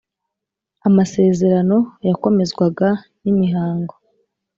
Amasezerano yakomezwaga n imihango